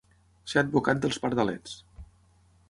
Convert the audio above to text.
Ser advocat dels pardalets.